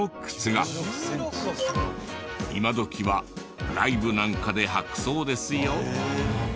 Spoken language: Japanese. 今どきはライブなんかで履くそうですよ。